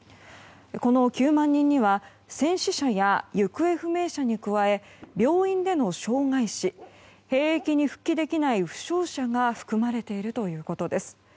この９万人には戦死者や行方不明者に加え病院での傷害死兵役に復帰できない負傷者が含まれているということです。